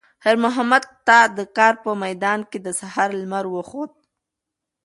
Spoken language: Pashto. خیر محمد ته د کار په میدان کې د سهار لمر وخوت.